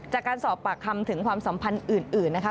จากการสอบปากคำถึงความสัมพันธ์อื่นนะคะ